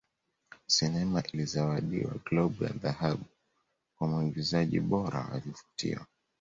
Sinema ilizawadiwa Globu ya Dhahabu Kwa Muigizaji Bora wa Vivutio